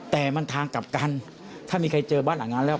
แต่มันทางกลับกันถ้ามีใครเจอบ้านหลังนั้นแล้ว